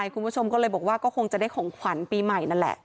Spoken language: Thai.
คุณผู้ชมก็เลยบอกว่าก็คงจะได้ของขวัญปีใหม่นั่นแหละ